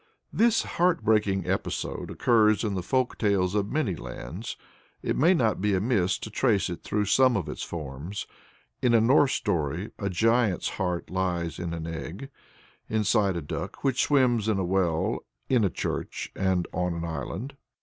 This heart breaking episode occurs in the folk tales of many lands. It may not be amiss to trace it through some of its forms. In a Norse story a Giant's heart lies in an egg, inside a duck, which swims in a well, in a church, on an island.